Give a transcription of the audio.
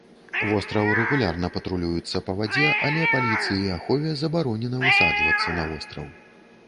Востраў рэгулярна патрулюецца па вадзе, але паліцыі і ахове забаронена высаджвацца на востраў.